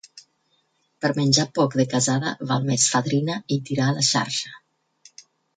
Per menjar poc de casada, val més fadrina i tirar la xarxa.